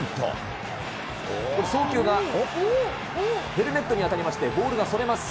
送球がヘルメットに当たりまして、ボールがそれます。